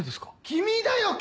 君だよ君！